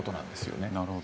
なるほど。